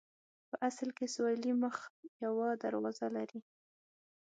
په اصل کې سویلي مخ یوه دروازه لري.